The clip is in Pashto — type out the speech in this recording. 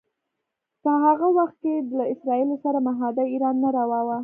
په هغه وخت کې له اسراییلو سره معاهده ایران ته روا وه.